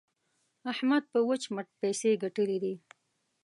احمد په وچ مټ پيسې ګټلې دي.